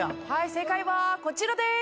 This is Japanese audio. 正解はこちらです。